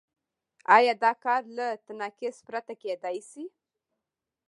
آیا دا کار له تناقض پرته کېدای شي؟